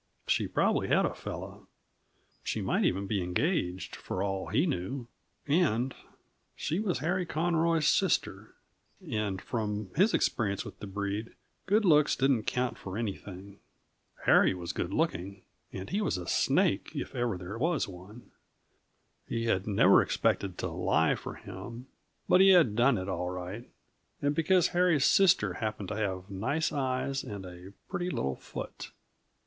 She probably had a fellow; she might even be engaged, for all he knew. And she was Harry Conroy's sister; and from his experience with the breed, good looks didn't count for anything. Harry was good looking, and he was a snake, if ever there was one. He had never expected to lie for him but he had done it, all right and because Harry's sister happened to have nice eyes and a pretty little foot!